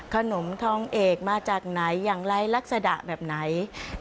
ทองเอกมาจากไหนอย่างไรลักษณะแบบไหน